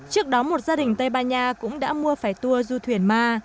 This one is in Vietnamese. trước đó một gia đình tây ban nha cũng đã mua phải tour du thuyền ma